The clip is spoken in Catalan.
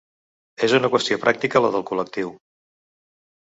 És una qüestió pràctica la del col·lectiu.